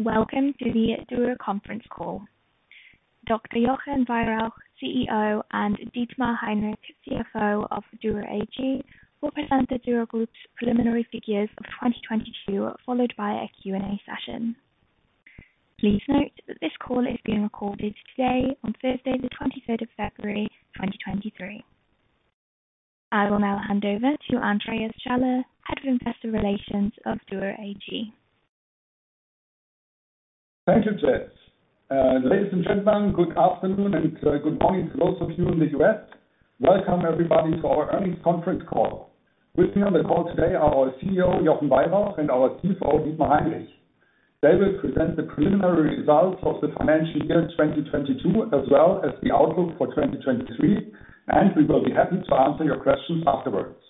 Welcome to the Dürr Conference Call. Dr. Jochen Weyrauch, CEO, and Dietmar Heinrich, CFO of Dürr AG, will present the Dürr Group's preliminary figures of 2022, followed by a Q&A session. Please note that this call is being recorded today on Thursday, the 23rd of February, 2023. I will now hand over to Andreas Schaller, Head of Investor Relations of Dürr AG. Thank you, Jess. Ladies and gentlemen, good afternoon and good morning to those of you in the U.S. Welcome everybody to our earnings conference call. With me on the call today are our CEO, Jochen Weyrauch, and our CFO, Dietmar Heinrich. They will present the preliminary results of the financial year 2022 as well as the outlook for 2023, and we will be happy to answer your questions afterwards.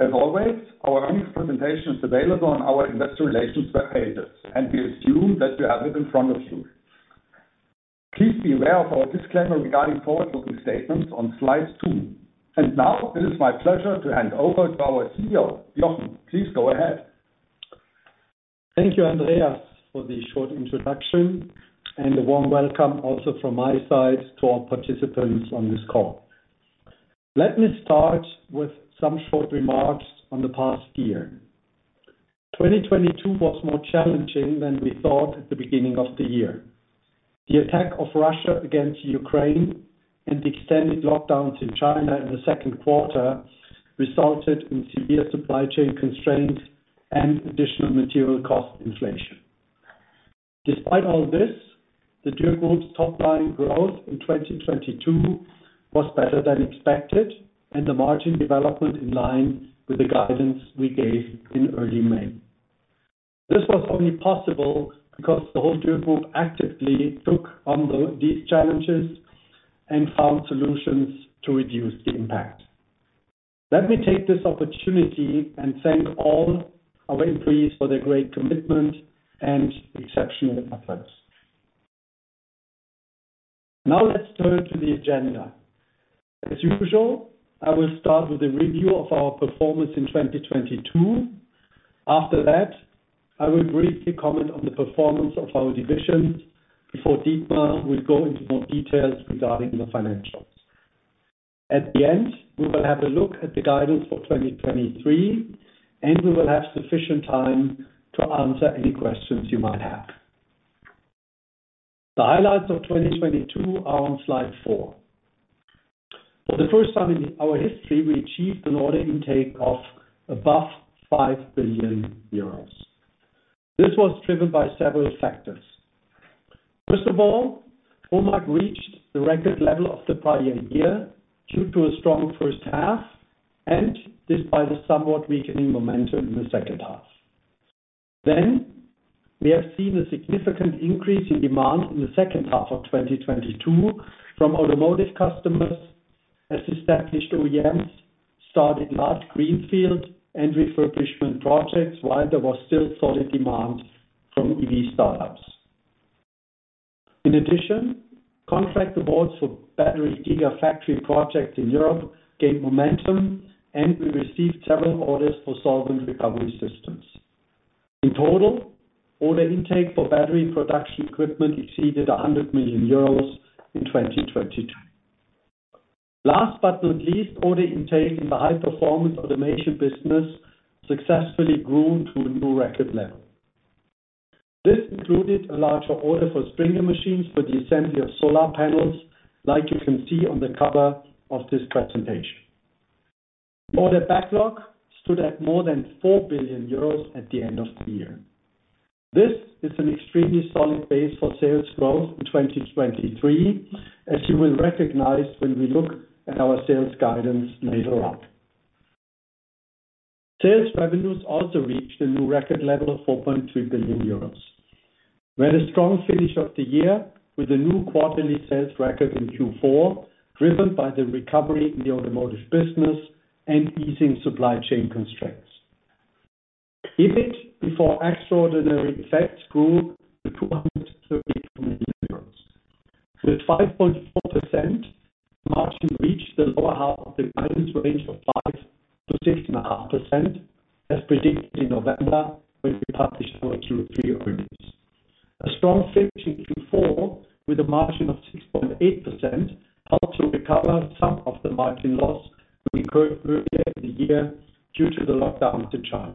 As always, our earnings presentation is available on our investor relations web pages, and we assume that you have it in front of you. Please be aware of our disclaimer regarding forward-looking statements on slide two. Now it is my pleasure to hand over to our CEO. Jochen, please go ahead. Thank you, Andreas, for the short introduction. A warm welcome also from my side to all participants on this call. Let me start with some short remarks on the past year. 2022 was more challenging than we thought at the beginning of the year. The attack of Russia against Ukraine and the extended lockdowns in China in the second quarter resulted in severe supply chain constraints and additional material cost inflation. Despite all this, the Dürr Group's top line growth in 2022 was better than expected and the margin development in line with the guidance we gave in early May. This was only possible because the whole Dürr Group actively took on these challenges and found solutions to reduce the impact. Let me take this opportunity and thank all our employees for their great commitment and exceptional efforts. Let's turn to the agenda. As usual, I will start with a review of our performance in 2022. After that, I will briefly comment on the performance of our divisions before Dietmar will go into more details regarding the financials. At the end, we will have a look at the guidance for 2023, and we will have sufficient time to answer any questions you might have. The highlights of 2022 are on slide four. For the first time in our history, we achieved an order intake of above 5 billion euros. This was driven by several factors. First of all, order intake reached the record level of the prior year due to a strong first half and despite a somewhat weakening momentum in the second half. We have seen a significant increase in demand in the second half of 2022 from automotive customers as established OEMs started large greenfield and refurbishment projects while there was still solid demand from EV startups. In addition, contract awards for battery gigafactory projects in Europe gained momentum, and we received several orders for Solvent Recovery Systems. In total, order intake for battery production equipment exceeded 100 million euros in 2022. Last but not least, order intake in the High-Performance Automation business successfully grew to a new record level. This included a larger order for Stringer machines for the assembly of solar panels, like you can see on the cover of this presentation. Order backlog stood at more than 4 billion euros at the end of the year. This is an extremely solid base for sales growth in 2023, as you will recognize when we look at our sales guidance later on. Sales revenues also reached a new record level of 4.2 billion euros. We had a strong finish of the year with a new quarterly sales record in Q4, driven by the recovery in the automotive business and easing supply chain constraints. EBIT before extraordinary effects grew to 232 million euros. With 5.4%, margin reached the lower half of the guidance range of 5%-6.5%, as predicted in November when we published our Q3 earnings. A strong finish in Q4 with a margin of 6.8% helped to recover some of the margin loss we incurred earlier in the year due to the lockdowns in China.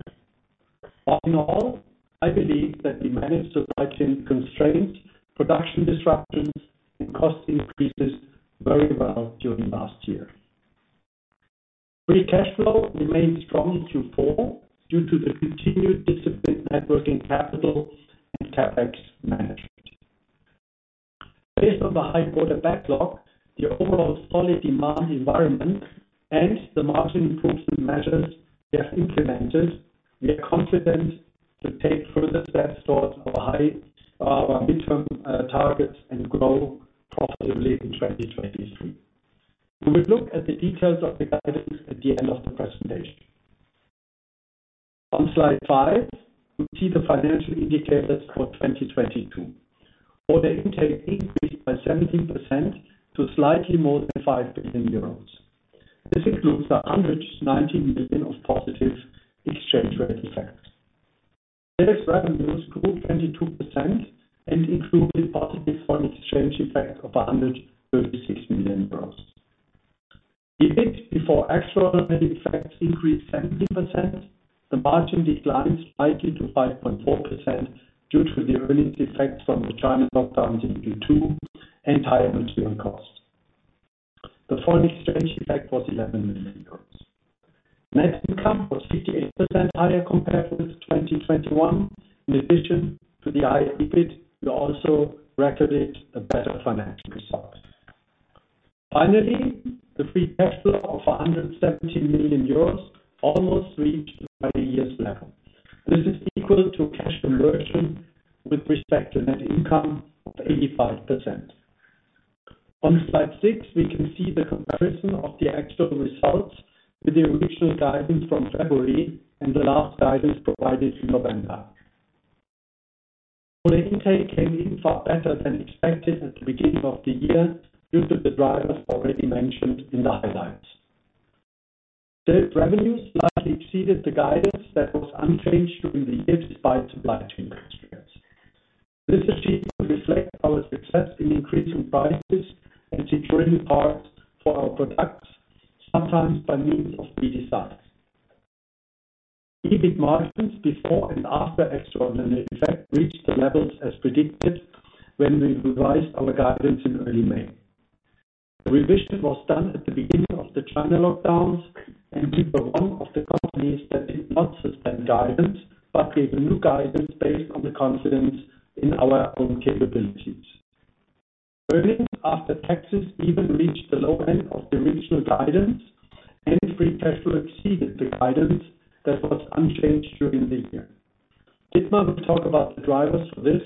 All in all, I believe that we managed supply chain constraints, production disruptions, and cost increases very well during last year. Free cash flow remained strong in Q4 due to the continued disciplined working capital and CapEx management. Based on the high order backlog, the overall solid demand environment and the margin improvement measures we have implemented, we are confident to take further steps towards our midterm targets and grow profitably in 2023. We will look at the details of the guidance at the end of the presentation. On slide five, we see the financial indicators for 2022. Order intake increased by 17% to slightly more than 5 billion euros. This includes 119 million of positive exchange rate effect. Sales revenues grew 22% and included positive foreign exchange effect of 136 million euros. EBIT before extraordinary effects increased 70%. The margin declined slightly to 5.4% due to the earnings effect from the China lockdowns in Q2 and higher material costs. The foreign exchange effect was 11 million euros. Net income was 58% higher compared with 2021. In addition to the high EBIT, we also recorded a better financial result. Finally, the free cash flow of 117 million euros almost reached the prior year's level. This is equal to cash conversion with respect to net income of 85%. On slide six, we can see the comparison of the actual results with the original guidance from February and the last guidance provided in November. Order intake came in far better than expected at the beginning of the year due to the drivers already mentioned in the highlights. Sales revenues slightly exceeded the guidance that was unchanged during the year, despite supply chain constraints. This achievement reflects our success in increasing prices and securing parts for our products, sometimes by means of redesigns. EBIT margins before and after extraordinary effect, reached the levels as predicted when we revised our guidance in early May. The revision was done at the beginning of the China lockdowns. We were one of the companies that did not suspend guidance, but gave a new guidance based on the confidence in our own capabilities. Earnings after taxes even reached the low end of the original guidance and free cash flow exceeded the guidance that was unchanged during the year. Dietmar will talk about the drivers for this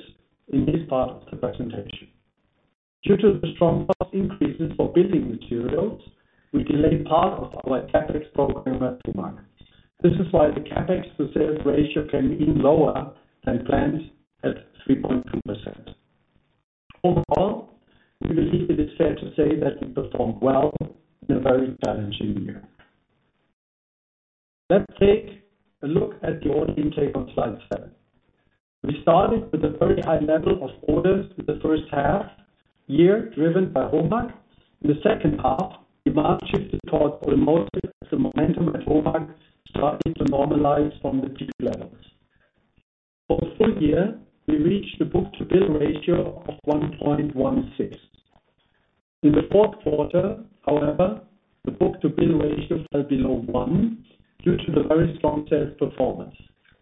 in his part of the presentation. Due to the strong cost increases for building materials, we delayed part of our CapEx program at Demag. This is why the CapEx to sales ratio came in lower than planned at 3.2%. We believe it is fair to say that we performed well in a very challenging year. Let's take a look at the order intake on slide seven. We started with a very high level of orders in the first half year, driven by HOMAG. In the second half, demand shifted towards automotive as the momentum at HOMAG started to normalize from the peak levels. For the full year, we reached a book-to-bill ratio of 1.16. In the fourth quarter, however, the book-to-bill ratio fell below one due to the very strong sales performance.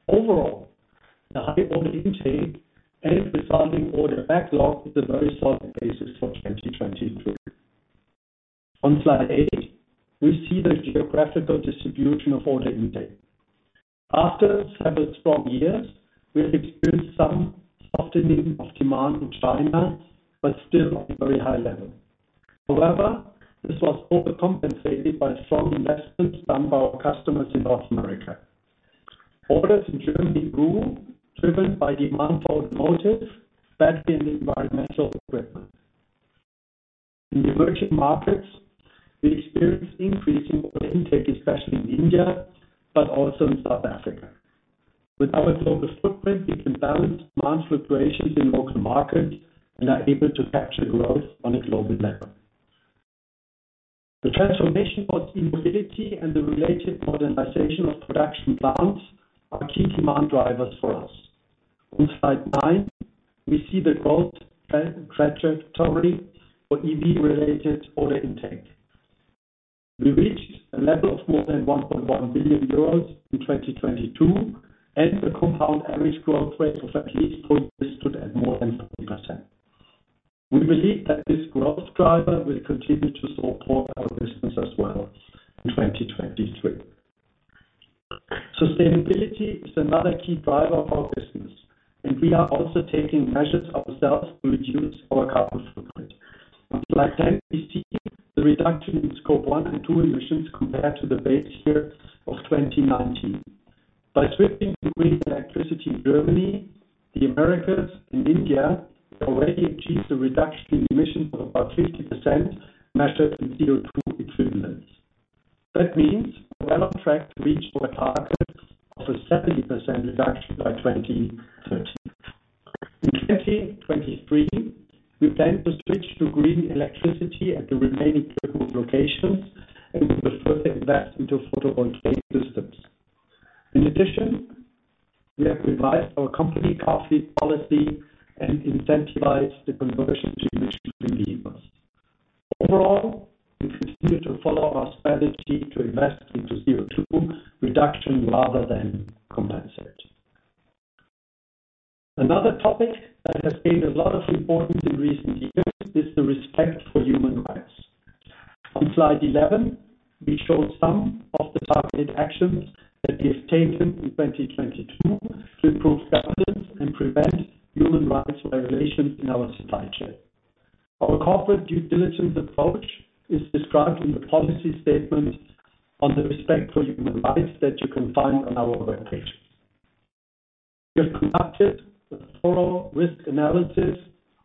The high order intake and the resulting order backlog is a very solid basis for 2023. On slide eight, we see the geographical distribution of order intake. After several strong years, we have experienced some softening of demand in China, still at a very high level. This was overcompensated by strong investments done by our customers in North America. Orders in Germany grew, driven by demand for automotive, P&F, and environmental equipment. In emerging markets, we experienced increasing order intake, especially in India, also in South Africa. With our global footprint, we can balance demand fluctuations in local markets and are able to capture growth on a global level. The transformation towards e-mobility and the related modernization of production plants are key demand drivers for us. On slide nine, we see the growth trajectory for EV-related order intake. We reached a level of more than 1.1 billion euros in 2022, the compound average growth rate of at least 20% stood at more than 30%. We believe that this growth driver will continue to support our business as well in 2023. Sustainability is another key driver of our business, and we are also taking measures ourselves to reduce our carbon footprint. On slide 10, we see the reduction in Scope one and two emissions compared to the base year of 2019. By switching to green electricity in Germany, the Americas, and India, we already achieved a reduction in emissions of about 50% measured in CO2 equivalents. That means we're well on track to reach our target of a 70% reduction by 2030. In 2023, we plan to switch to green electricity at the remaining global locations and we will further invest into photovoltaic systems. In addition, we have revised our company car fleet policy and incentivized the conversion to electric vehicles. Overall, we continue to follow our strategy to invest into CO2 reduction rather than compensate. Another topic that has gained a lot of importance in recent years is the respect for human rights. On slide 11, we show some of the targeted actions that we have taken in 2022 to improve governance and prevent human rights violations in our supply chain. Our corporate due diligence approach is described in the policy statement on the respect for human rights that you can find on our webpage. We have conducted a thorough risk analysis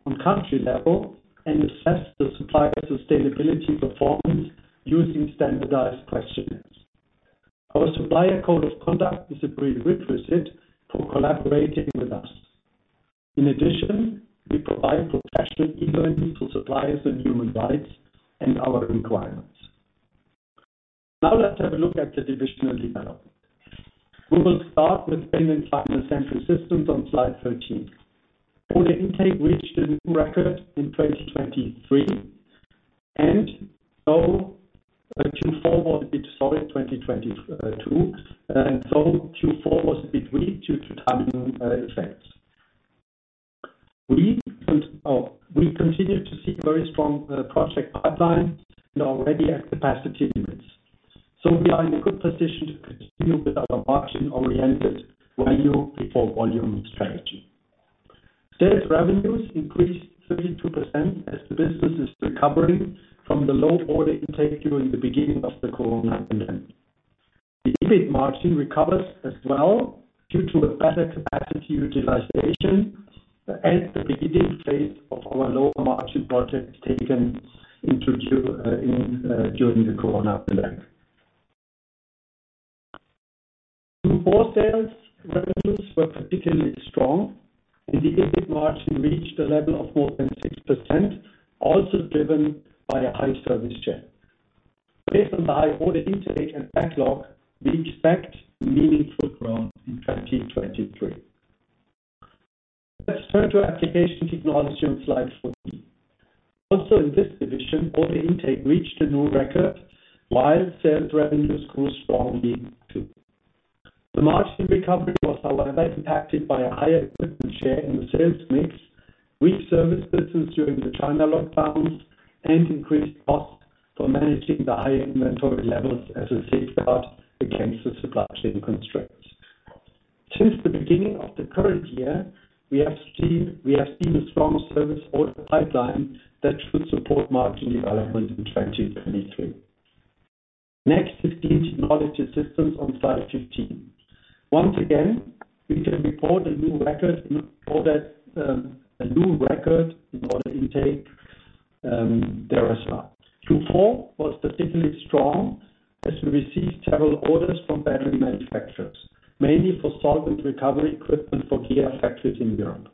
on country level and assessed the supplier sustainability performance using standardized questionnaires. Our Supplier Code of Conduct is a prerequisite for collaborating with us. In addition, we provide professional e-learning to suppliers in human rights and our requirements. Let's have a look at the divisional development. We will start with Paint and Final Assembly Systems on slide 13. Order intake reached a new record in 2023. Q4 was a bit solid 2022. Q4 was a bit weak due to timing effects. We continue to see a very strong project pipeline and already at capacity limits. We are in a good position to continue with our margin-oriented value before volume strategy. Sales revenues increased 32% as the business is recovering from the low order intake during the beginning of the COVID-19 pandemic. The EBIT margin recovers as well due to a better capacity utilization and the beginning phase of our lower margin projects taken during the COVID pandemic. Q4 sales revenues were particularly strong. The EBIT margin reached a level of more than 6%, also driven by a high service share. Based on the high order intake and backlog, we expect meaningful growth in 2023. Let's turn to Application Technology on slide 14. In this division, order intake reached a new record while sales revenues grew strongly too. The margin recovery was, however, impacted by a higher equipment share in the sales mix, weak service business during the China lockdowns, and increased costs for managing the high inventory levels as a safeguard against the supply chain constraints. Since the beginning of the current year, we have seen a strong service order pipeline that should support margin development in 2023. Next is Clean Technology Systems on slide 15. Once again, we can report a new record in order intake there as well. Q4 was particularly strong as we received several orders from battery manufacturers, mainly for solvent recovery equipment for Kia factories in Europe.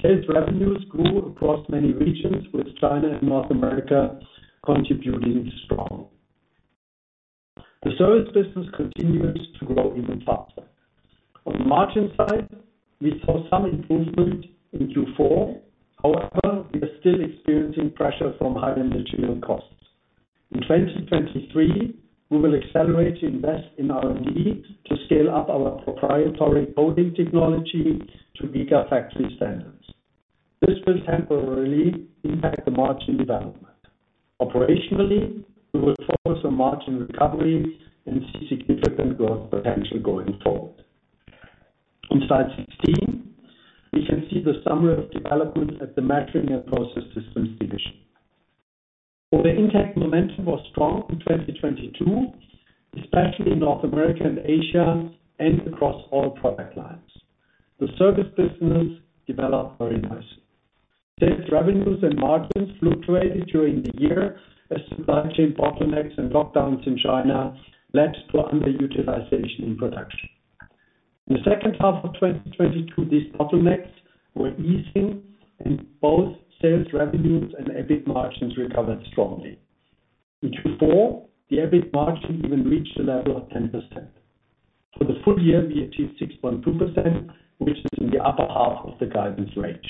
Sales revenues grew across many regions, with China and North America contributing strong. The service business continues to grow even faster. On the margin side, we saw some improvement in Q4. We are still experiencing pressure from high material costs. In 2023, we will accelerate to invest in R&D to scale up our proprietary coating technology to gigafactory standards. This will temporarily impact the margin development. Operationally, we will focus on margin recovery and see significant growth potential going forward. On slide 16, we can see the summary of developments at the Measuring and Process Systems division. Order intake momentum was strong in 2022, especially in North America and Asia, across all product lines. The service business developed very nicely. Sales revenues and margins fluctuated during the year as supply chain bottlenecks and lockdowns in China led to underutilization in production. In the second half of 2022, these bottlenecks were easing, both sales revenues and EBIT margins recovered strongly. In Q4, the EBIT margin even reached a level of 10%. For the full year, we achieved 6.2%, which is in the upper half of the guidance range.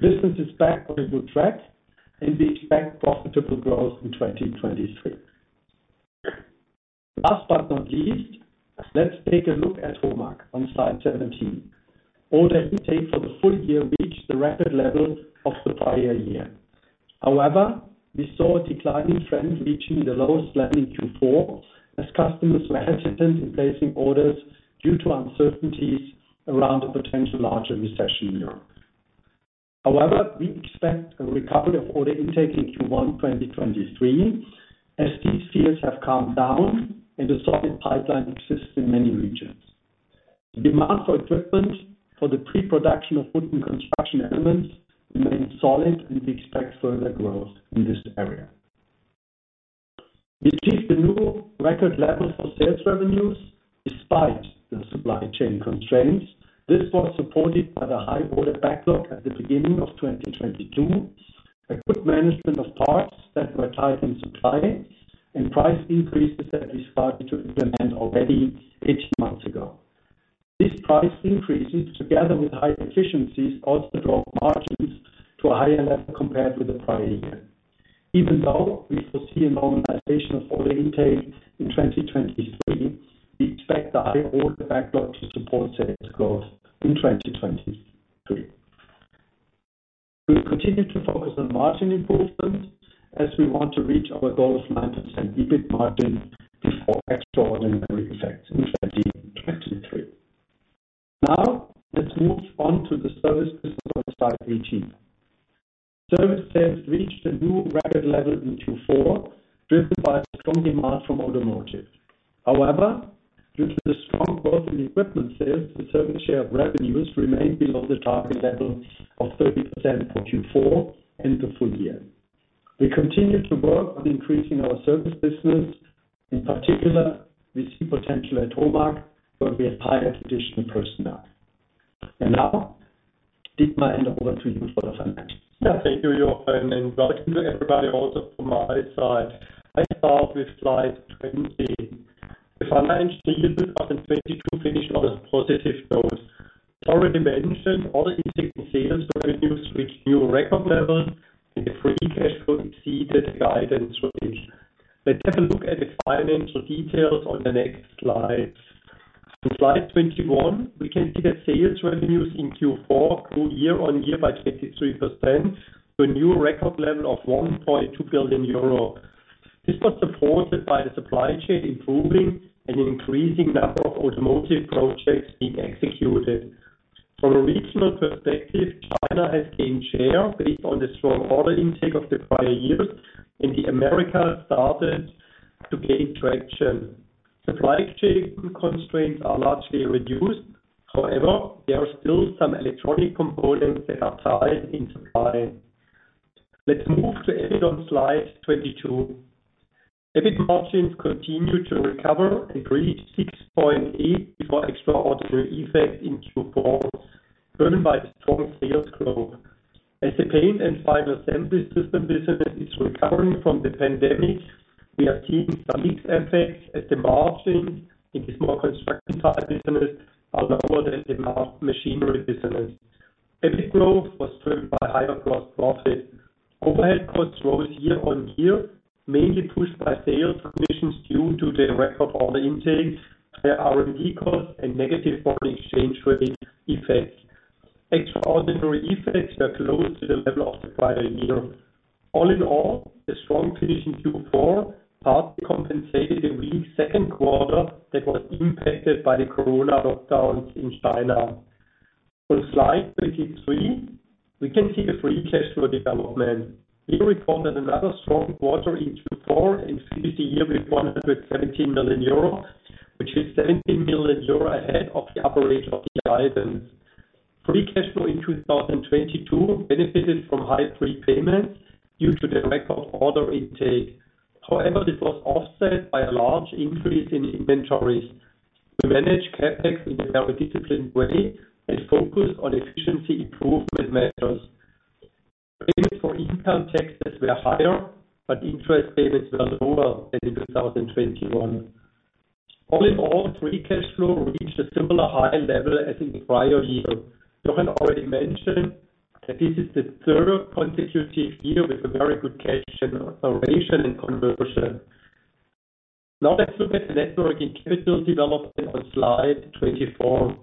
Business is back on a good track, we expect profitable growth in 2023. Last but not least, let's take a look at HOMAG on slide 17. Order intake for the full year reached the record level of the prior year. We saw a declining trend reaching the lowest level in Q4 as customers were hesitant in placing orders due to uncertainties around a potential larger recession in Europe. We expect a recovery of order intake in Q1 2023, as these fears have calmed down and a solid pipeline exists in many regions. The demand for equipment for the pre-production of wooden construction elements remains solid, and we expect further growth in this area. We achieved the new record levels for sales revenues despite the supply chain constraints. This was supported by the high order backlog at the beginning of 2022, a good management of parts that were tight in supply, and price increases that we started to implement already 18 months ago. These price increases, together with high efficiencies, also drove margins to a higher level compared with the prior year. Even though we foresee a normalization of order intake in 2023, we expect the high order backlog to support sales growth in 2023. We will continue to focus on margin improvements as we want to reach our goal of 9% EBIT margin before extraordinary effects in 2023. Now, let's move on to the service business on slide 18. Service sales reached a new record level in Q4, driven by strong demand from automotive. However, due to the strong growth in equipment sales, the service share of revenues remained below the target level of 30% for Q4 and the full year. We continue to work on increasing our service business. In particular, we see potential at HOMAG, where we have hired additional personnel. Now, Dietmar, hand over to you for the finance. Yeah, thank you, Jochen, and welcome to everybody also from my side. I start with slide 20. The financial year 2022 finished on a positive note. As already mentioned, order intake and sales revenues reached new record levels, and the free cash flow exceeded the guidance for the year. Let's have a look at the financial details on the next slides. On slide 21, we can see that sales revenues in Q4 grew year-over-year by 23% to a new record level of 1.2 billion euro. This was supported by the supply chain improving and an increasing number of automotive projects being executed. From a regional perspective, China has gained share based on the strong order intake of the prior years, and the Americas started to gain traction. Supply chain constraints are largely reduced. However, there are still some electronic components that are tight in supply. Let's move to EBIT on slide 22. EBIT margins continued to recover and reached 6.8% before extraordinary effects in Q4, driven by the strong sales growth. As the Paint and Final Assembly Systems business is recovering from the pandemic, we are seeing some mix effects as the margins in the more construction type business are lower than the machinery business. EBIT growth was driven by higher gross profit. Overhead costs rose year-on-year, mainly pushed by sales commissions due to the record order intake, higher R&D costs, and negative foreign exchange rate effects. Extraordinary effects were close to the level of the prior year. All in all, the strong finish in Q4 partly compensated the weak second quarter that was impacted by the COVID-19 lockdowns in China. On slide 23, we can see the free cash flow development. We recorded another strong quarter in Q4 and finished the year with 117 million euros, which is 17 million euros ahead of the upper edge of the guidance. Free cash flow in 2022 benefited from high prepayments due to the record order intake. This was offset by a large increase in inventories. We manage CapEx in a very disciplined way and focus on efficiency improvement measures. Payments for income taxes were higher, interest payments were lower than in 2021. All in all, free cash flow reached a similar high level as in the prior year. Jochen already mentioned that this is the third consecutive year with a very good cash generation and conversion. Let's look at the net working capital development on slide 24.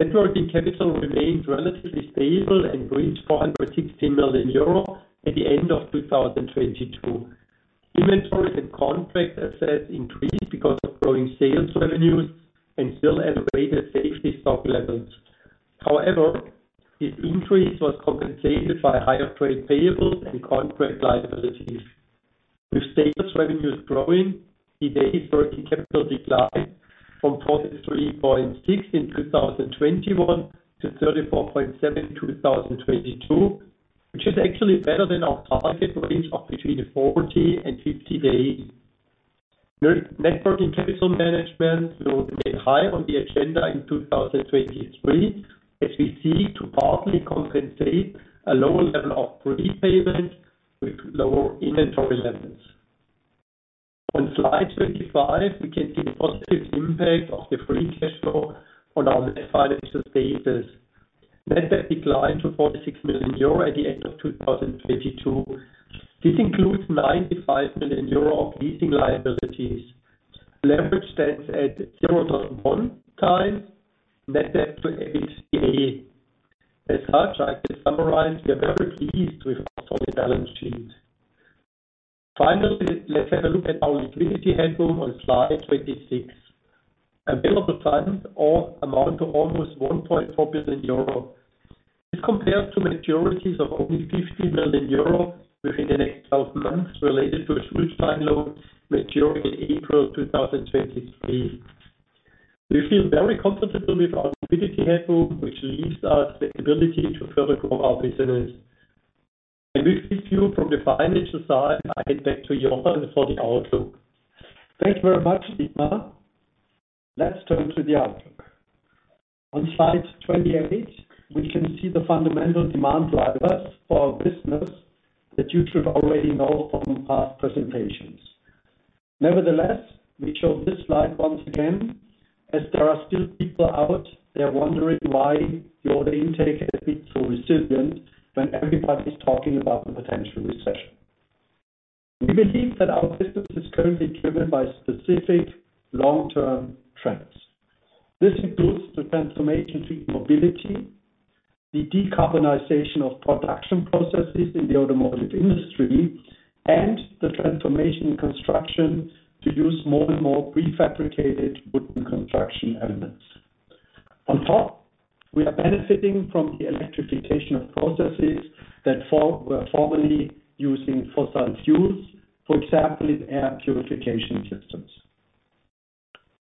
Net working capital remained relatively stable and reached 460 million euro at the end of 2022. Inventories and contract assets increased because of growing sales revenues and still elevated safety stock levels. This increase was compensated by higher trade payables and contract liabilities. With sales revenues growing, the days working capital declined from 23.6 in 2021 to 34.7 in 2022, which is actually better than our target range of between 40 and 50 days. Net working capital management will remain high on the agenda in 2023, as we seek to partly compensate a lower level of prepayments with lower inventory levels. On slide 25, we can see the positive impact of the free cash flow on our net financial status. Net debt declined to 46 million euro at the end of 2022. This includes 95 million euro of leasing liabilities. Leverage stands at zero thousand one times net debt to EBITDA. As such, I can summarize, we are very pleased with our solid balance sheet. Finally, let's have a look at our liquidity headroom on slide 26. Available funds all amount to almost 1.4 billion euro. This compares to maturities of only 50 million euro within the next 12 months related to a bridge line loan maturing in April 2023. We feel very comfortable with our liquidity headroom, which leaves us the ability to further grow our business. With this view from the financial side, I hand back to Jochen Weyrauch for the outlook. Thank you very much, Dietmar. Let's turn to the outlook. On slide 28, we can see the fundamental demand drivers for our business that you should already know from past presentations. Nevertheless, we show this slide once again, as there are still people out there wondering why the order intake has been so resilient when everybody's talking about the potential recession. We believe that our business is currently driven by specific long-term trends. This includes the transformation to e-mobility, the decarbonization of production processes in the automotive industry, and the transformation in construction to use more and more prefabricated wooden construction elements. On top, we are benefiting from the electrification of processes that were formerly using fossil fuels, for example, in air purification systems.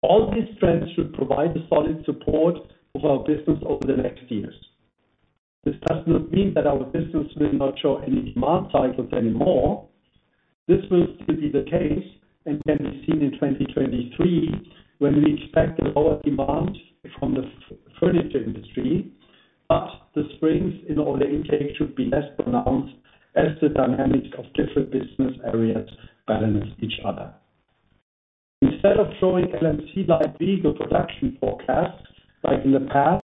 All these trends should provide a solid support of our business over the next years. This does not mean that our business will not show any demand cycles anymore. This will still be the case, and can be seen in 2023, when we expect a lower demand from the furniture industry, but the springs in order intake should be less pronounced as the dynamics of different business areas balance each other. Instead of showing LMC-like vehicle production forecasts like in the past,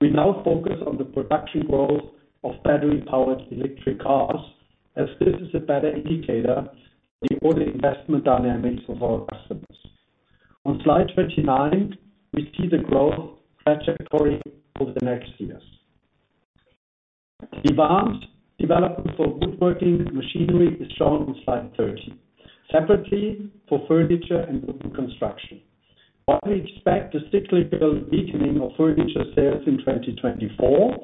we now focus on the production growth of battery-powered electric cars, as this is a better indicator for the order investment dynamics of our customers. On slide 29, we see the growth trajectory over the next years. Advanced development for woodworking machinery is shown on slide 30, separately for furniture and wooden construction. While we expect a cyclical weakening of furniture sales in 2024,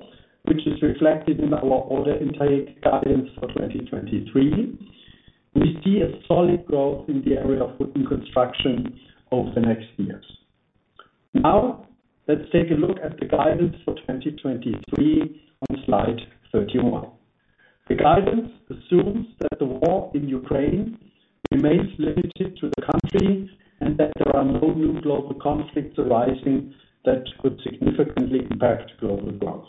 which is reflected in our order intake guidance for 2023, we see a solid growth in the area of wooden construction over the next years. Let's take a look at the guidance for 2023 on slide 31. The guidance assumes that the war in Ukraine remains limited to the country and that there are no new global conflicts arising that could significantly impact global growth.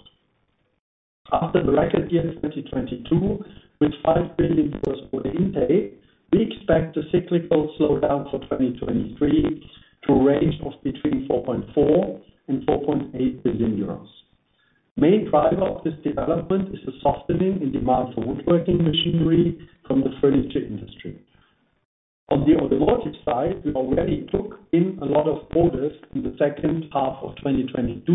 After the record year of 2022, with 5 billion euros order intake, we expect a cyclical slowdown for 2023 to a range of between 4.4 billion and 4.8 billion euros. Main driver of this development is a softening in demand for woodworking machinery from the furniture industry. On the automotive side, we already took in a lot of orders in the second half of 2022.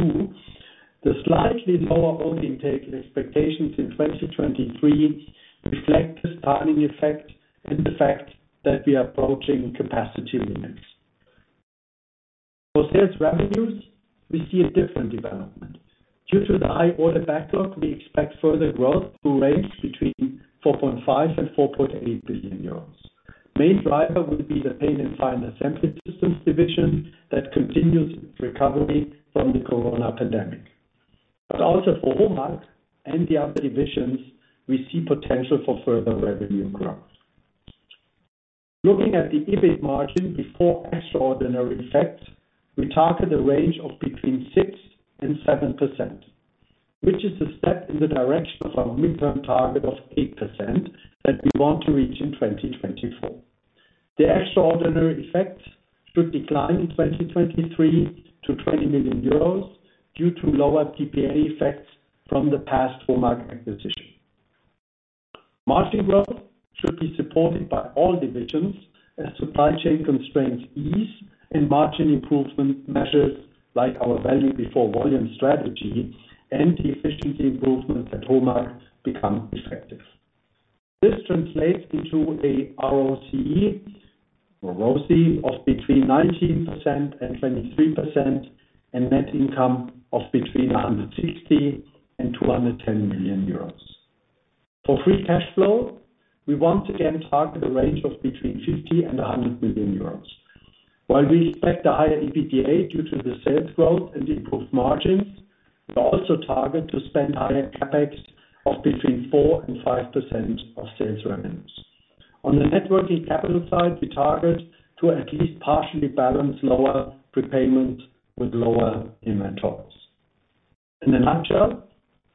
The slightly lower order intake expectations in 2023 reflect this timing effect and the fact that we are approaching capacity limits. For sales revenues, we see a different development. Due to the high order backlog, we expect further growth to range between 4.5 and 4.8 billion euros. Main driver will be the Paint and Final Assembly Systems division that continues its recovery from the COVID-19 pandemic. Also for HOMAG and the other divisions, we see potential for further revenue growth. Looking at the EBIT margin before extraordinary effects, we target a range of between 6% and 7%, which is a step in the direction of our midterm target of 8% that we want to reach in 2024. The extraordinary effects should decline in 2023 to 20 million euros due to lower TP effects from the past HOMAG acquisition. Margin growth should be supported by all divisions as supply chain constraints ease and margin improvement measures like our value before volume strategy and the efficiency improvements at HOMAG become effective. This translates into a ROCE of between 19% and 23%, and net income of between 160 million and 210 million euros. For free cash flow, we once again target a range of between 50 million and 100 million euros. While we expect a higher EBITDA due to the sales growth and improved margins, we also target to spend higher CapEx of between 4% and 5% of sales revenues. On the net working capital side, we target to at least partially balance lower prepayment with lower inventories. In a nutshell,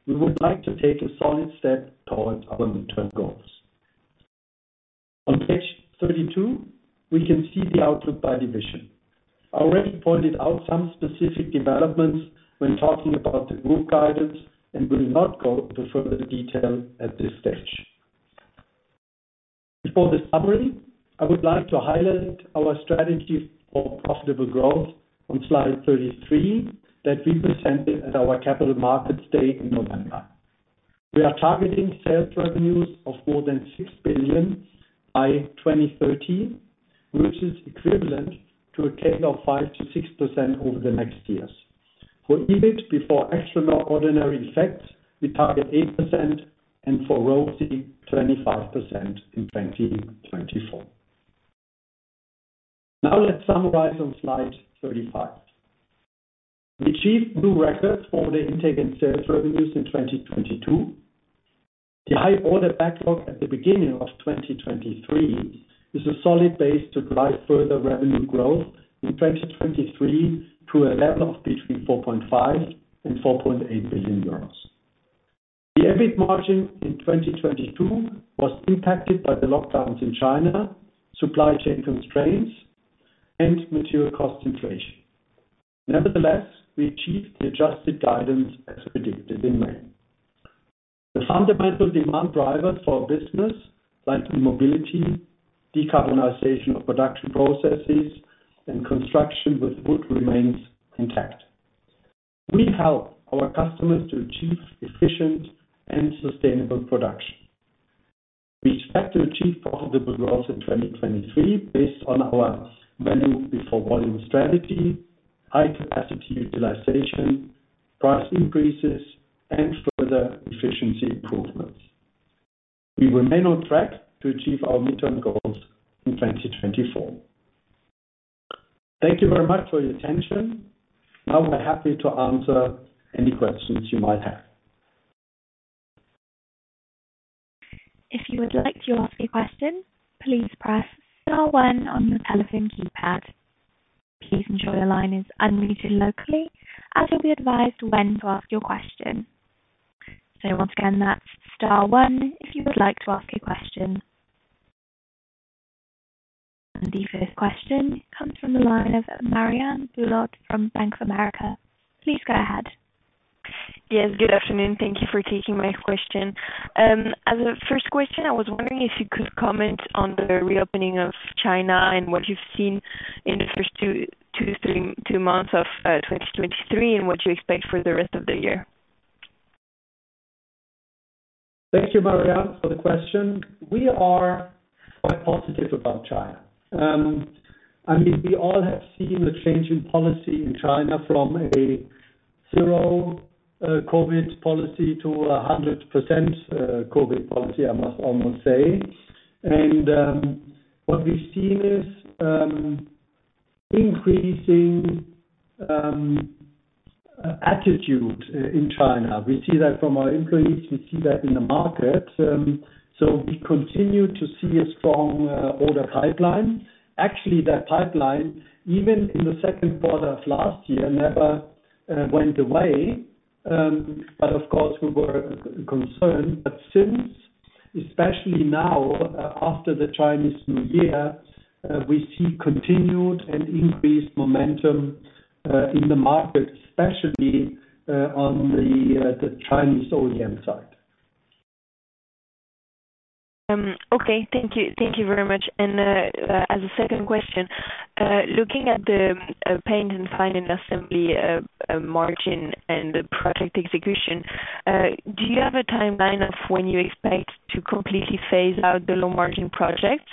we would like to take a solid step towards our midterm goals. On page 32, we can see the outlook by division. I already pointed out some specific developments when talking about the group guidance and will not go into further detail at this stage. Before the summary, I would like to highlight our strategy for profitable growth on slide 33 that we presented at our capital markets day in November. We are targeting sales revenues of more than 6 billion by 2030, which is equivalent to a tail of 5%-6% over the next years. For EBIT before extraordinary effects, we target 8%, and for ROCE, 25% in 2024. Let's summarize on slide 35. We achieved new records for order intake and sales revenues in 2022. The high order backlog at the beginning of 2023 is a solid base to drive further revenue growth in 2023 to a level of between 4.5 billion and 4.8 billion euros. The EBIT margin in 2022 was impacted by the lockdowns in China, supply chain constraints, and material cost inflation. We achieved the adjusted guidance as predicted in May. The fundamental demand drivers for business like mobility, decarbonization of production processes, and construction with wood remains intact. We help our customers to achieve efficient and sustainable production. We expect to achieve profitable growth in 2023 based on our value before volume strategy, high capacity utilization, price increases, and further efficiency improvements. We remain on track to achieve our midterm goals in 2024. Thank you very much for your attention. We're happy to answer any questions you might have. If you would like to ask a question, please press star one on your telephone keypad. Please ensure your line is unmuted locally, and you'll be advised when to ask your question. Once again, that's star one, if you would like to ask a question. The first question comes from the line of Marianne Boulad from Bank of America. Please go ahead. Yes, good afternoon. Thank you for taking my question. As a first question, I was wondering if you could comment on the reopening of China and what you've seen in the first two, three, two months of 2023, and what you expect for the rest of the year. Thank you, Marianne, for the question. We are quite positive about China. I mean, we all have seen the change in policy in China from a 0 COVID policy to a 100% COVID policy, I must almost say. What we've seen is increasing attitude in China. We see that from our employees. We see that in the market. We continue to see a strong order pipeline. Actually, that pipeline, even in the second quarter of last year, never went away. Of course, we were concerned. Since, especially now, after the Chinese New Year, we see continued and increased momentum in the market, especially on the Chinese OEM side. Okay, thank you. Thank you very much. As a second question, looking at the Paint and Final Assembly margin and the project execution, do you have a timeline of when you expect to completely phase out the low margin projects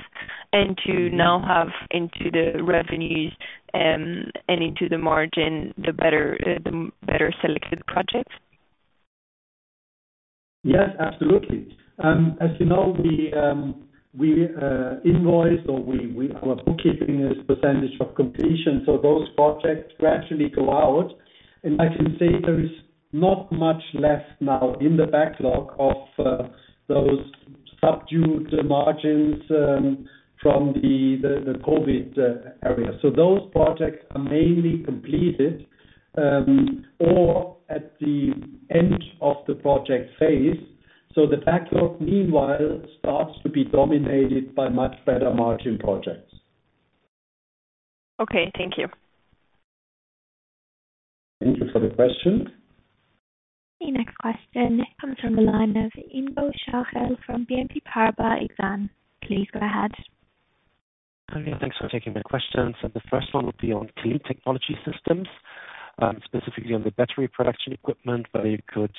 and to now have into the revenues and into the margin, the better selected projects? Yes, absolutely. As you know, our bookkeeping is percentage of completion, so those projects gradually go out. I can say there is not much left now in the backlog of those subdued margins from the COVID area. Those projects are mainly completed or at the end of the project phase. The backlog, meanwhile, starts to be dominated by much better margin projects. Okay, thank you. Thank you for the question. The next question comes from the line of Ingo Schachel from BNP Paribas Exane. Please go ahead. Okay, thanks for taking my questions. The first one would be on Clean Technology Systems, specifically on the battery production equipment. Whether you could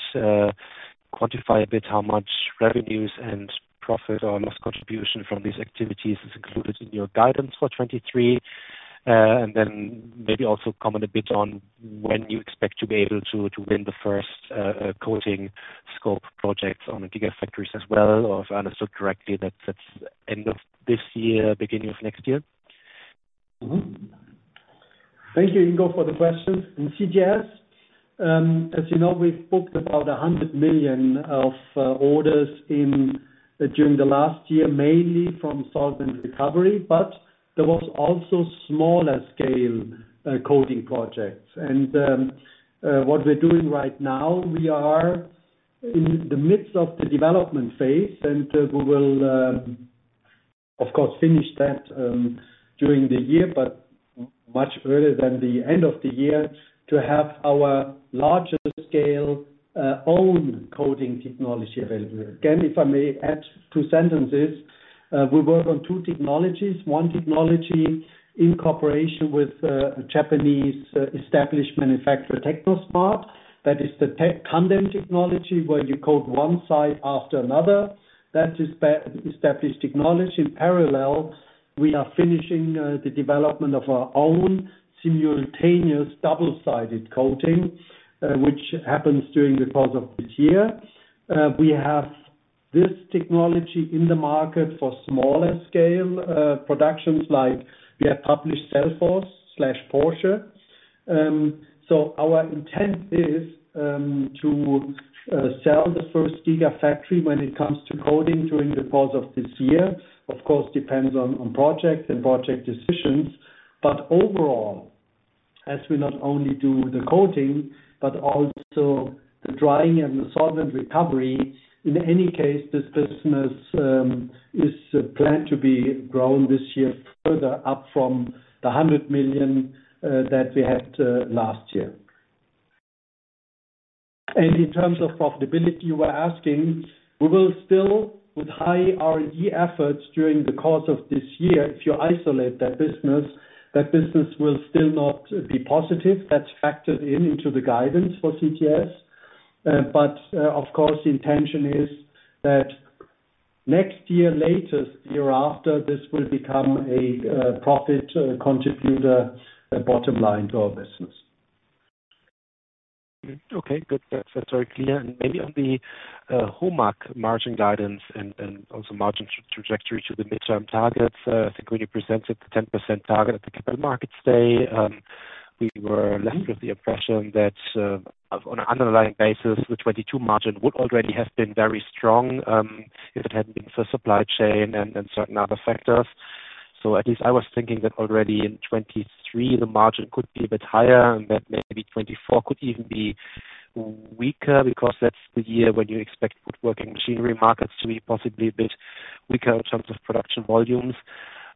quantify a bit how much revenues and profit or loss contribution from these activities is included in your guidance for 2023? Then maybe also comment a bit on when you expect to be able to win the first coating scope projects on the gigafactories as well, or if I understood correctly, that's end of this year, beginning of next year? Thank you, Ingo, for the question. In CTS, as you know, we've booked about 100 million of orders during the last year, mainly from solvent recovery, but there was also smaller scale coating projects. What we're doing right now, we are in the midst of the development phase, and we will, of course, finish that during the year, but much earlier than the end of the year to have our larger scale own coating technology available. Again, if I may add two sentences, we work on two technologies. One technology in cooperation with a Japanese established manufacturer, Techno Smart. That is the Tandem technology, where you coat one side after another. That is established technology. In parallel, we are finishing the development of our own simultaneous double-sided coating, which happens during the course of this year. We have this technology in the market for smaller scale productions like we have published Cellforce/Porsche. Our intent is to sell the first gigafactory when it comes to coating during the course of this year. Of course, depends on projects and project decisions. Overall, as we not only do the coating, but also the drying and the solvent recovery, in any case, this business is planned to be grown this year further up from the 100 million that we had last year. In terms of profitability, you were asking, we will still, with high R&D efforts during the course of this year, if you isolate that business, that business will still not be positive. That's factored into the guidance for CTS. Of course, the intention is that next year, latest year after, this will become a profit contributor, bottom line to our business. Okay, good. That's, that's very clear. Maybe on the HOMAG margin guidance and also margin trajectory to the midterm targets. I think when you presented the 10% target at the capital markets day, we were left with the impression that on an underlying basis, the 2022 margin would already have been very strong if it hadn't been for supply chain and certain other factors. At least I was thinking that already in 2023, the margin could be a bit higher and that maybe 2024 could even be weaker because that's the year when you expect woodworking machinery markets to be possibly a bit weaker in terms of production volumes.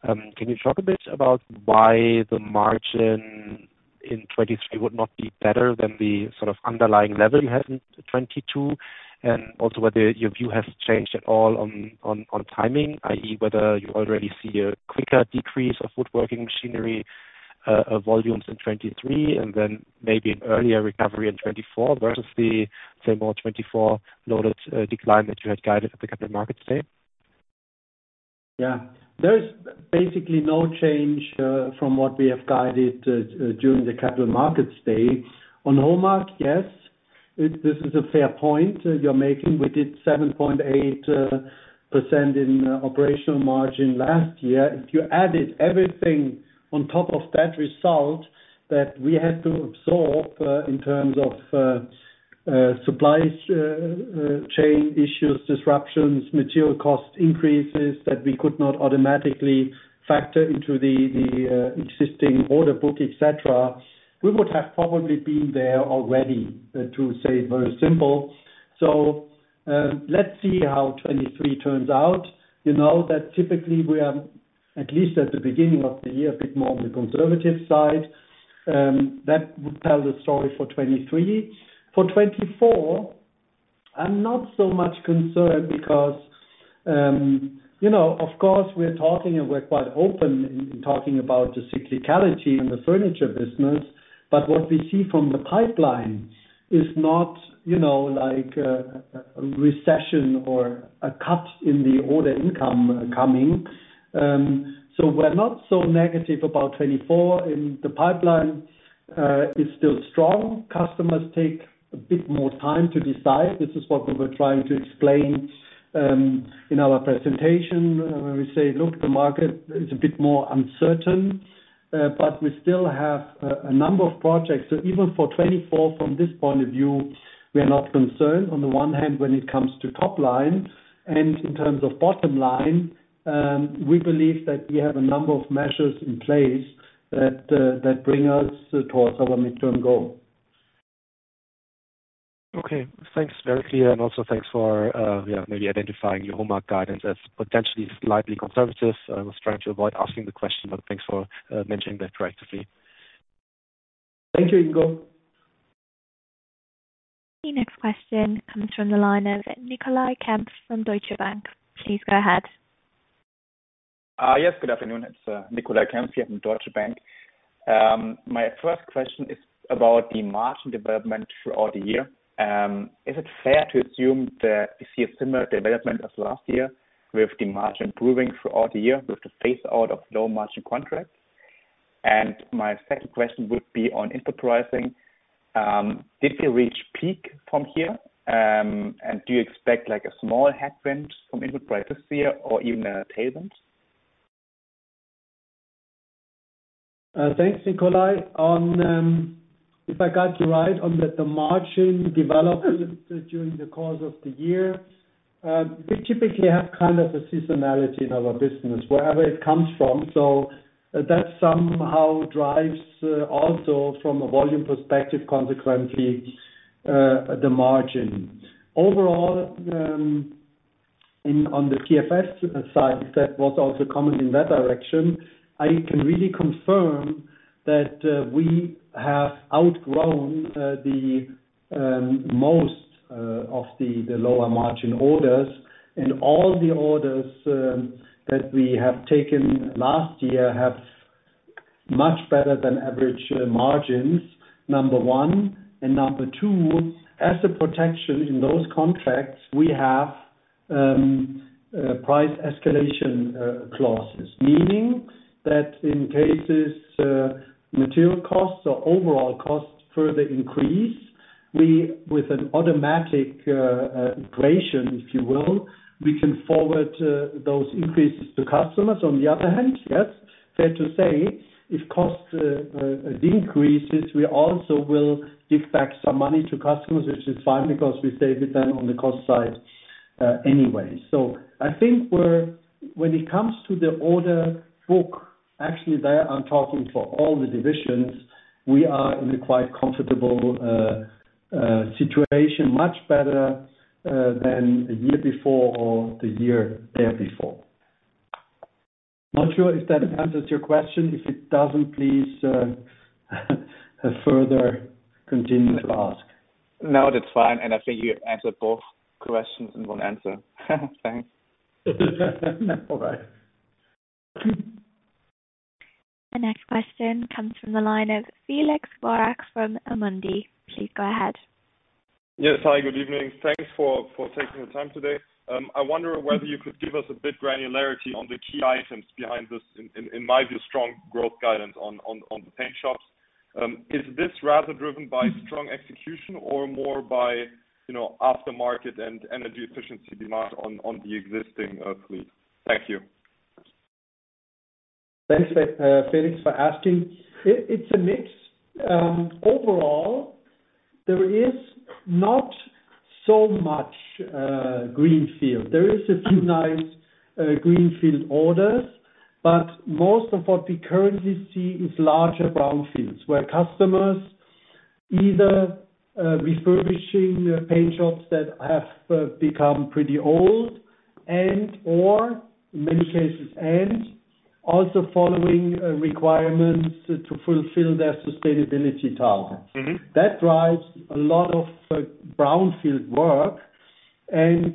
Can you talk a bit about why the margin in 2023 would not be better than the sort of underlying level you had in 2022? Also whether your view has changed at all on timing, i.e., whether you already see a quicker decrease of woodworking machinery, volumes in 2023 and then maybe an earlier recovery in 2024 versus the, say, more 2024 loaded, decline that you had guided at the capital markets day. There is basically no change from what we have guided during the capital markets day. On HOMAG, yes, this is a fair point you're making. We did 7.8% in operational margin last year. If you added everything on top of that result that we had to absorb in terms of supplies chain issues, disruptions, material cost increases that we could not automatically factor into the existing order book, et cetera, we would have probably been there already, to say it very simple. Let's see how 2023 turns out. You know that typically we are, at least at the beginning of the year, a bit more on the conservative side. That would tell the story for 2023. For 2024, I'm not so much concerned because, you know, of course, we're talking and we're quite open in talking about the cyclicality in the furniture business. What we see from the pipeline is not, you know, like a recession or a cut in the order income coming. We're not so negative about 2024, and the pipeline is still strong. Customers take a bit more time to decide. This is what we were trying to explain in our presentation, where we say, "Look, the market is a bit more uncertain, but we still have a number of projects." Even for 2024, from this point of view, we are not concerned on the one hand, when it comes to top line. In terms of bottom line, we believe that we have a number of measures in place that bring us towards our midterm goal. Okay. Thanks. Very clear. Also thanks for, yeah, maybe identifying your HOMAG guidance as potentially slightly conservative. I was trying to avoid asking the question, but thanks for mentioning that proactively. Thank you, Ingo. The next question comes from the line of Nicolai Kempf from Deutsche Bank. Please go ahead. Yes, good afternoon. It's Nicolai Kempf here from Deutsche Bank. My first question is about the margin development throughout the year. Is it fair to assume that you see a similar development as last year with the margin improving throughout the year with the phase out of low margin contracts? My second question would be on input pricing. Did you reach peak from here? Do you expect, like, a small headwind from input prices here or even a tailwind? Thanks, Nicolai. If I got you right on the margin development during the course of the year, we typically have kind of a seasonality in our business, wherever it comes from. That somehow drives also from a volume perspective, consequently, the margin. Overall, on the QFS side, that was also common in that direction. I can really confirm that we have outgrown the most of the lower margin orders, and all the orders that we have taken last year have much better than average margins, number one. Number two, as a protection in those contracts, we have price escalation clauses. Meaning that in cases material costs or overall costs further increase, we, with an automatic inflation, if you will, we can forward those increases to customers. On the other hand, yes, fair to say, if cost decreases, we also will give back some money to customers, which is fine because we save with them on the cost side anyway. I think when it comes to the order book, actually, there I'm talking for all the divisions, we are in a quite comfortable situation, much better than the year before or the year there before. Not sure if that answers your question. If it doesn't, please further continue to ask. No, that's fine. I think you answered both questions in one answer. Thanks. All right. The next question comes from the line of Felix Borax from Amundi. Please go ahead. Yes. Hi, good evening. Thanks for taking the time today. I wonder whether you could give us a bit granularity on the key items behind this, in my view, strong growth guidance on the paint shops. Is this rather driven by strong execution or more by, you know, after market and energy efficiency demand on the existing fleet? Thank you. Thanks, Felix for asking. It's a mix. Overall, there is not so much greenfield. There is a few nice greenfield orders, but most of what we currently see is larger brownfields, where customers either refurbishing paint shops that have become pretty old and/or in many cases, and also following requirements to fulfill their sustainability targets. Mm-hmm. That drives a lot of brownfield work and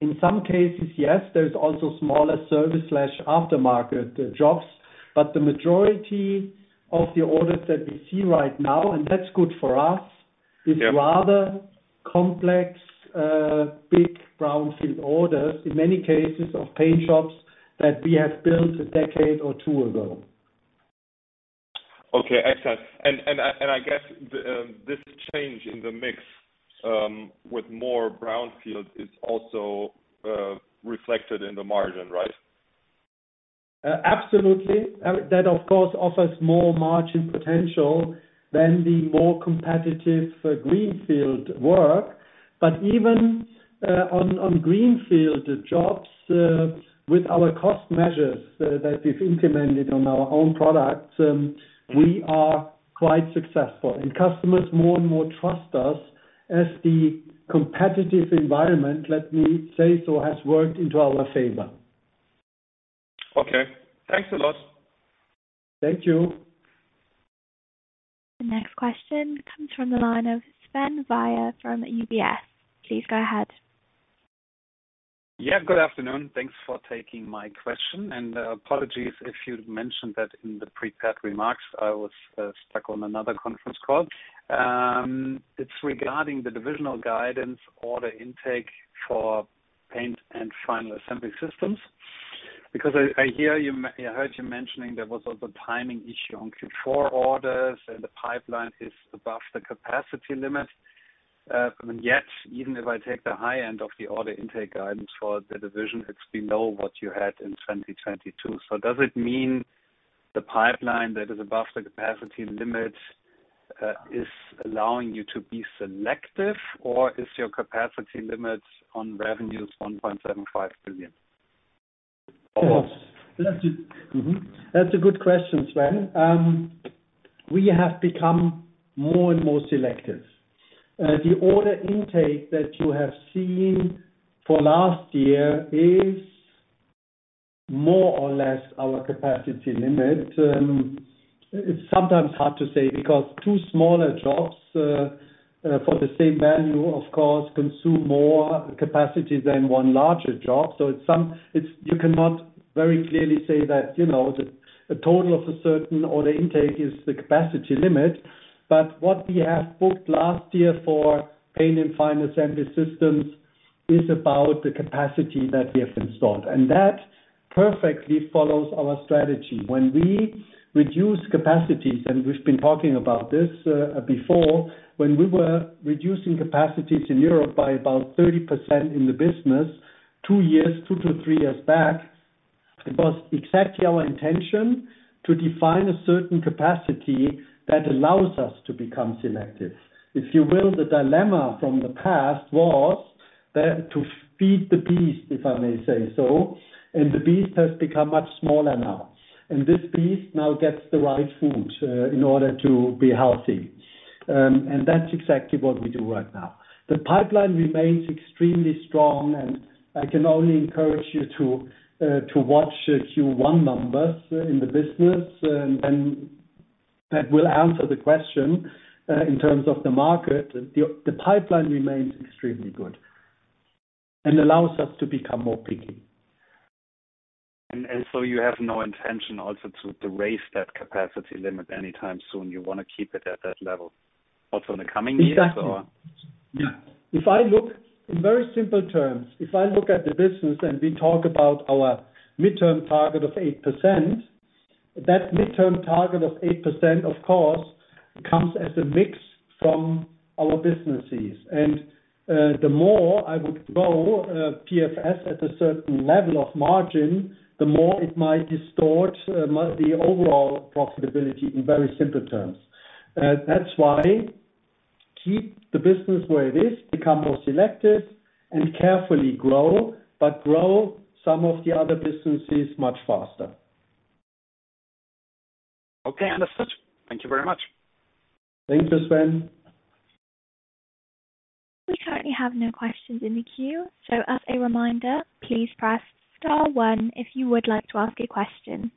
in some cases, yes, there's also smaller service/aftermarket jobs, but the majority of the orders that we see right now, and that's good for us. Yeah. Is rather complex, big brownfield orders, in many cases of paint shops that we have built a decade or two ago. Okay. I guess, the this change in the mix, with more brownfield is also reflected in the margin, right? Absolutely. That, of course, offers more margin potential than the more competitive greenfield work. Even on greenfield jobs, with our cost measures that we've implemented on our own products, we are quite successful. Customers more and more trust us as the competitive environment, let me say so, has worked into our favor. Okay. Thanks a lot. Thank you. The next question comes from the line of Sven Weier from UBS. Please go ahead. Good afternoon. Thanks for taking my question. Apologies if you mentioned that in the prepared remarks. I was stuck on another conference call. It's regarding the divisional guidance order intake for Paint and Final Assembly Systems. I heard you mentioning there was also a timing issue on Q4 orders, and the pipeline is above the capacity limit. Even if I take the high end of the order intake guidance for the division, it's below what you had in 2022. Does it mean the pipeline that is above the capacity limit is allowing you to be selective or is your capacity limits on revenues 1.75 billion? That's. Mm-hmm. That's a good question, Sven. We have become more and more selective. The order intake that you have seen for last year is more or less our capacity limit. It's sometimes hard to say because two smaller jobs for the same value, of course, consume more capacity than one larger job. You cannot very clearly say that, you know, the total of a certain order intake is the capacity limit. But what we have booked last year for Paint and Final Assembly Systems is about the capacity that we have installed. That perfectly follows our strategy. When we reduce capacities, we've been talking about this before, when we were reducing capacities in Europe by about 30% in the business two years, two to three years back, it was exactly our intention to define a certain capacity that allows us to become selective. If you will, the dilemma from the past was to feed the beast, if I may say so, the beast has become much smaller now. This beast now gets the right food in order to be healthy. That's exactly what we do right now. The pipeline remains extremely strong, I can only encourage you to watch Q1 numbers in the business, and that will answer the question in terms of the market. The pipeline remains extremely good and allows us to become more picky. So you have no intention also to raise that capacity limit anytime soon. You wanna keep it at that level also in the coming years or? Exactly. Yeah. In very simple terms, if I look at the business and we talk about our midterm target of 8%, that midterm target of 8%, of course, comes as a mix from our businesses. The more I would grow PFS at a certain level of margin, the more it might distort the overall profitability in very simple terms. That's why keep the business where it is, become more selective and carefully grow, but grow some of the other businesses much faster. Okay. Understood. Thank you very much. Thank you, Sven. We currently have no questions in the queue. As a reminder, please press star one if you would like to ask a question.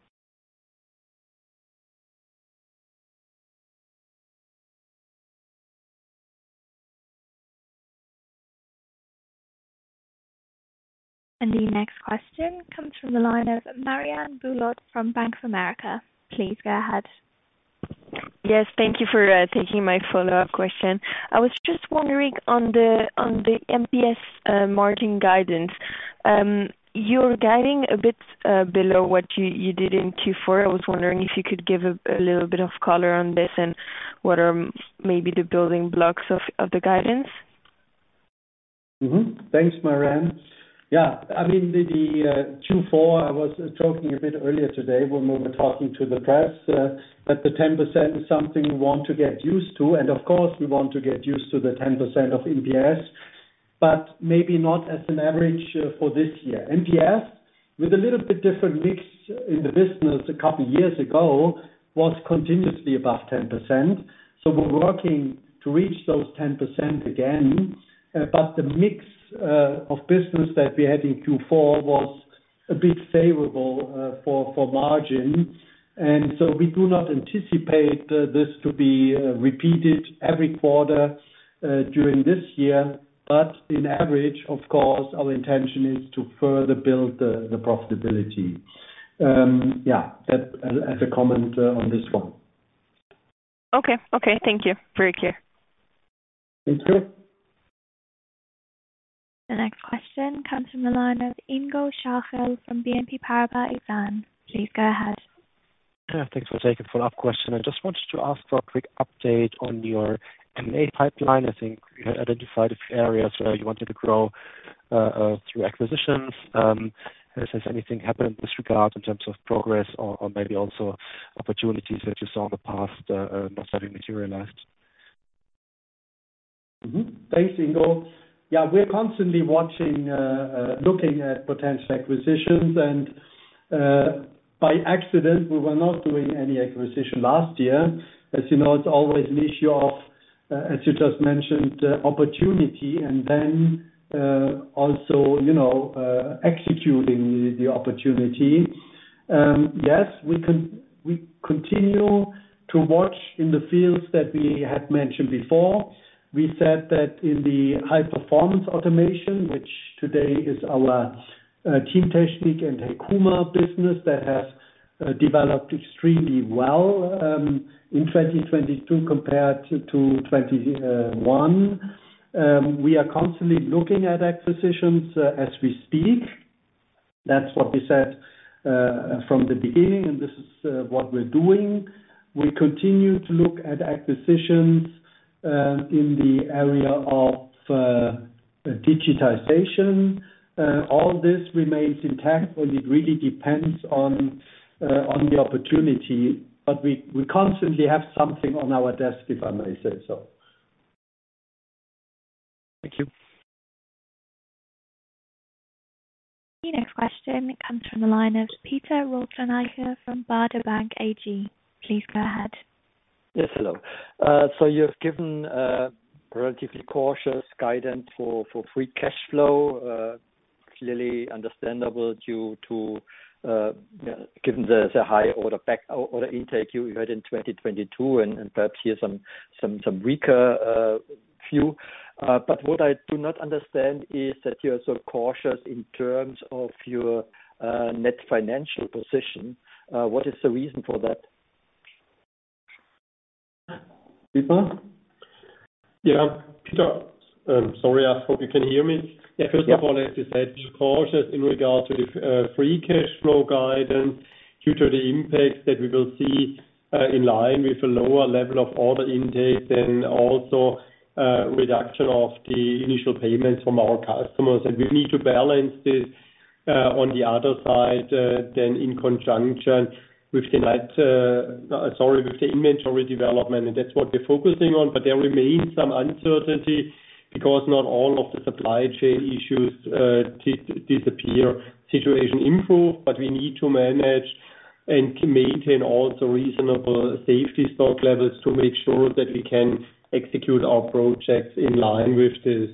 The next question comes from the line of Marianne Boulad from Bank of America. Please go ahead. Yes, thank you for taking my follow-up question. I was just wondering on the MPS margin guidance. You're guiding a bit below what you did in Q4. I was wondering if you could give a little bit of color on this and what are maybe the building blocks of the guidance? Thanks, Marianne. I mean, the Q4 I was talking a bit earlier today when we were talking to the press, that the 10% is something we want to get used to, and of course we want to get used to the 10% of MPS, but maybe not as an average for this year. MPS with a little bit different mix in the business a couple years ago, was continuously above 10%, so we're working to reach those 10% again. The mix of business that we had in Q4 was a bit favorable for margin. We do not anticipate this to be repeated every quarter during this year. In average, of course, our intention is to further build the profitability. That as a comment on this one. Okay. Okay, thank you. Very clear. Thanks. The next question comes from the line of Ingo Schachel from BNP Paribas Exane. Please go ahead. Yeah, thanks for taking follow-up question. I just wanted to ask for a quick update on your M&A pipeline. I think you had identified a few areas where you wanted to grow through acquisitions. Has anything happened in this regard in terms of progress or maybe also opportunities that you saw in the past not having materialized? Thanks, Ingo. Yeah, we're constantly watching, looking at potential acquisitions and, by accident, we were not doing any acquisition last year. As you know, it's always an issue of, as you just mentioned, opportunity and then, also, you know, executing the opportunity. Yes, we continue to watch in the fields that we had mentioned before. We said that in the high-performance automation, which today is our teamtechnik and HEKUMA business that has developed extremely well, in 2022 compared to 2021. We are constantly looking at acquisitions, as we speak. That's what we said from the beginning, and this is what we're doing. We continue to look at acquisitions in the area of digitization. All this remains intact, and it really depends on the opportunity. We constantly have something on our desk, if I may say so. Thank you. The next question comes from the line of Peter Rothenaicher from Baader Bank AG. Please go ahead. Yes, hello. You've given relatively cautious guidance for free cash flow, clearly understandable due to given the high order intake you had in 2022 and perhaps here some weaker view. What I do not understand is that you are so cautious in terms of your net financial position. What is the reason for that? Peter? Yeah, Peter, sorry. I hope you can hear me. Yeah. First of all, as you said, cautious in regards to the free cash flow guidance due to the impact that we will see in line with a lower level of order intake and also reduction of the initial payments from our customers. We need to balance this on the other side then in conjunction with the net with the inventory development, and that's what we're focusing on. There remains some uncertainty because not all of the supply chain issues disappear. Situation improve, but we need to manage and maintain also reasonable safety stock levels to make sure that we can execute our projects in line with this.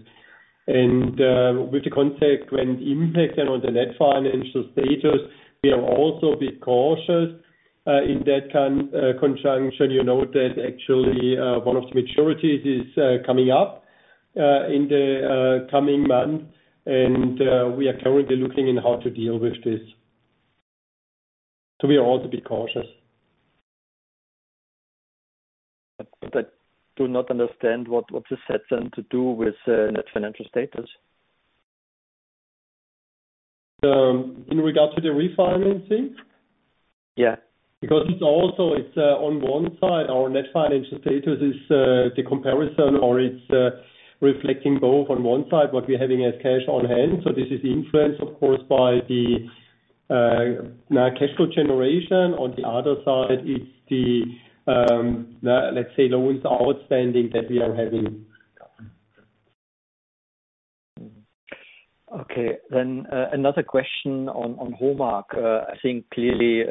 With the context when impact on the net financial status, we are also a bit cautious in that conjunction. You know that actually, one of the maturities is coming up in the coming months. We are currently looking in how to deal with this. We are all to be cautious. Do not understand what this has then to do with, net financial status. In regards to the refinancing? Yeah. It's also, it's on one side, our net financial status is the comparison or it's reflecting both on one side, what we're having as cash on hand. This is influenced of course by the now cash flow generation. On the other side, it's the let's say loans outstanding that we are having. Okay. another question on HOMAG. I think clearly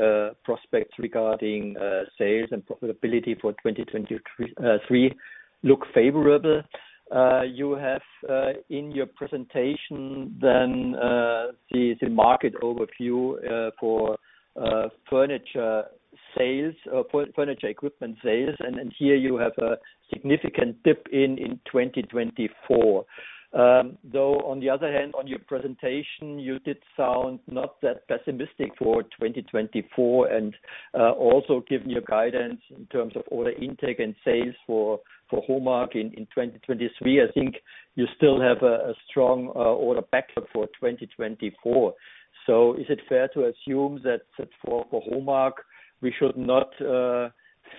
prospects regarding sales and profitability for 2023 look favorable. You have in your presentation the market overview for furniture equipment sales. Here you have a significant dip in 2024. On the other hand, on your presentation, you did sound not that pessimistic for 2024 and also giving your guidance in terms of order intake and sales for HOMAG in 2023. I think you still have a strong order backup for 2024. Is it fair to assume that for HOMAG we should not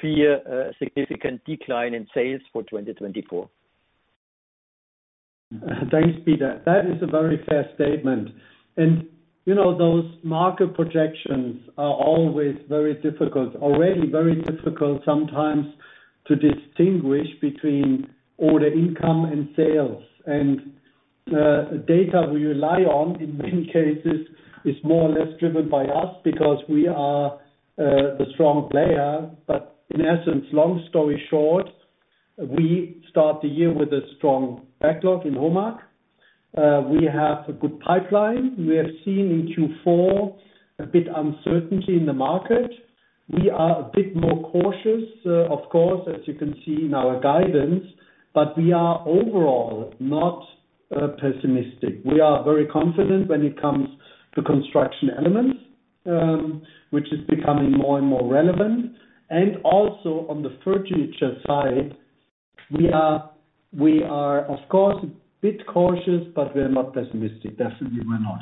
fear a significant decline in sales for 2024? Thanks, Peter. That is a very fair statement. You know, those market projections are always very difficult. Already very difficult sometimes to distinguish between order income and sales. Data we rely on in many cases is more or less driven by us because we are the strong player. In essence, long story short, we start the year with a strong backlog in HOMAG. We have a good pipeline. We have seen in Q4 a bit uncertainty in the market. We are a bit more cautious, of course, as you can see in our guidance, but we are overall not pessimistic. We are very confident when it comes to construction elements, which is becoming more and more relevant. Also on the furniture side, we are of course a bit cautious, but we're not pessimistic. Definitely we're not.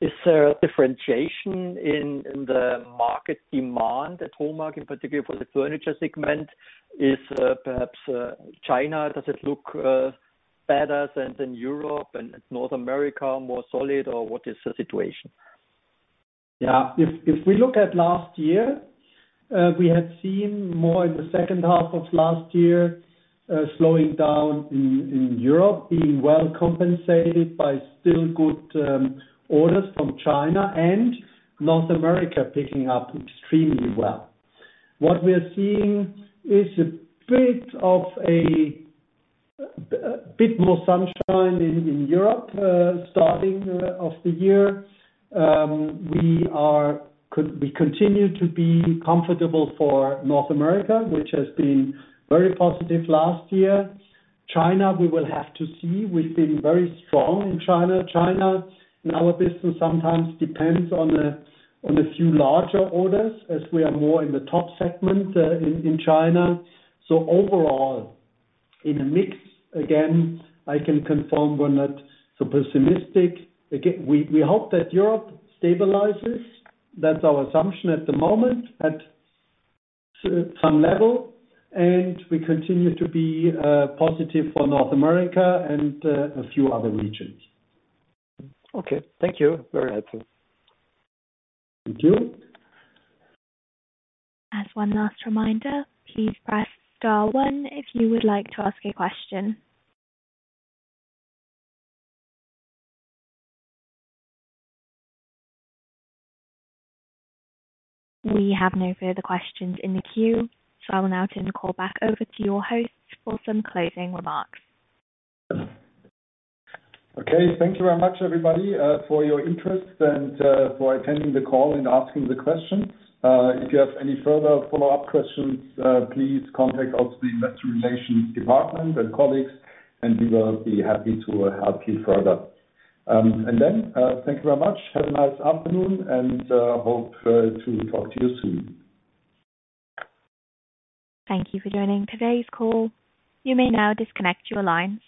Is there a differentiation in the market demand at HOMAG in particular for the furniture segment? Is perhaps China, does it look better than Europe and North America, more solid, or what is the situation? Yeah. If we look at last year, we had seen more in the second half of last year, slowing down in Europe being well compensated by still good orders from China and North America picking up extremely well. What we are seeing is a bit of a bit more sunshine in Europe, starting of the year. We continue to be comfortable for North America, which has been very positive last year. China, we will have to see. We've been very strong in China. China, in our business sometimes depends on a few larger orders as we are more in the top segment in China. Overall in a mix again, I can confirm we're not so pessimistic. We hope that Europe stabilizes. That's our assumption at the moment, at some level, and we continue to be positive for North America and a few other regions. Okay. Thank you. Very helpful. Thank you. As one last reminder, please press star one if you would like to ask a question. We have no further questions in the queue, so I will now turn the call back over to your host for some closing remarks. Okay. Thank you very much, everybody, for your interest and for attending the call and asking the questions. If you have any further follow-up questions, please contact us, the investor relations department and colleagues, and we will be happy to help you further. Thank you very much. Have a nice afternoon and hope to talk to you soon. Thank you for joining today's call. You may now disconnect your lines.